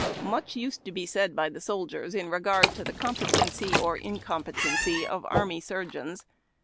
Much used to be said by the soldiers in regard to the competency or incompetency of army surgeons.